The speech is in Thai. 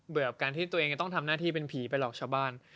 แบบการที่ตัวเองจะต้องทำหน้าที่เป็นผีไปหลอกชาวบ้าน